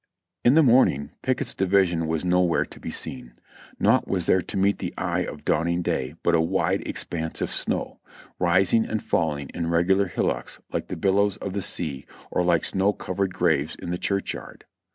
In the morning Pickett's division was nowhere to be seen ; naught was there to meet the eye of dawning day but a wide expanse of snow, rising and falling in regular hillocks like the billows of the sea or like snow covered graves in the churchyard.